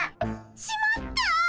しまった！